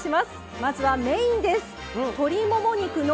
まずはメインです。